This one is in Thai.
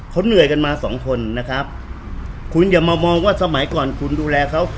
เขาเหนื่อยกันมาสองคนนะครับคุณอย่ามามองว่าสมัยก่อนคุณดูแลเขา